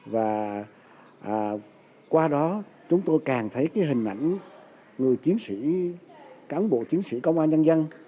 và qua đó chúng tôi càng thấy hình ảnh người chiến sĩ cán bộ chiến sĩ công an nhân dân